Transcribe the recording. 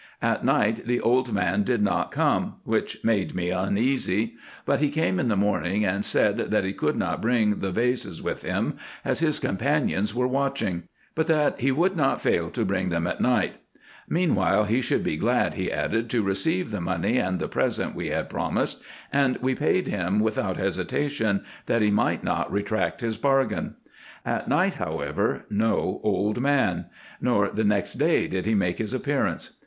At night the old man did not come, which made me uneasy ; but he came in the morning, and said, that he could not bring the vases with him, as his companions Avere watching, but that he would not fail to bring them at night, meanwhile he should be glad, he added, to receive the money and the present we had promised ; and we paid him without hesitation, that he might not retract his bargain. At night, however, no old man ; nor the next day did he make his appearance.